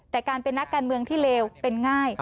แต่การเป็นนักการเมืองที่เลวเป็นง่าย